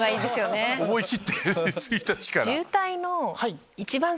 思い切って１日から。